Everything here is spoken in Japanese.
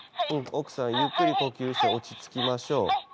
奥さんゆっくり呼吸して落ち着きましょう。